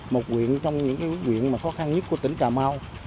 một quyện trong những quyện mà khó khăn nhất của tỉnh cà mau